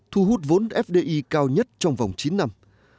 thu hút vốn fdi cao nhất trong vòng chín năm